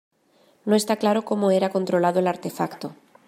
No está claro cómo era controlado el artefacto.